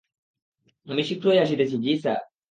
আমি শীঘ্রই আসতেছি জ্বি স্যার।